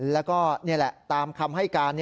แล้วก็นี่แหละตามคำให้การ